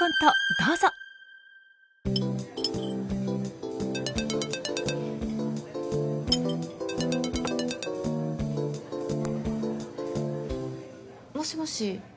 どうぞ！もしもし。